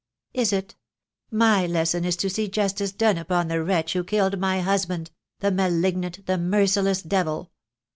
"Is it? My lesson is to see justice done upon the wretch who killed my husband — the malignant, the merciless devil.